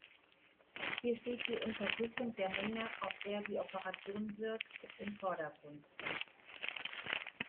Hier steht die Untersuchung der Menge, auf der die Operation wirkt, im Vordergrund.